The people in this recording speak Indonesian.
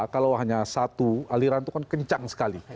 kalau hanya satu aliran itu kan kencang sekali